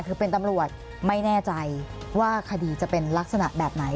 คือเป็นตำรวจไม่แน่ใจว่าคดีจะเป็นลักษณะแบบไหน